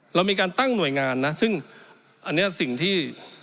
เรามีการตั้งหน่วยงานนะซึ่งอันนี้สิ่งที่